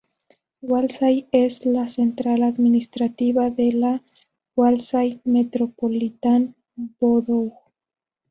Walsall es la central administrativa de la Walsall Metropolitan Borough.